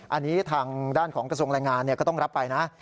อันนี้ทางด้านของกระทรวงแรงงานก็ต้องรับไปนะ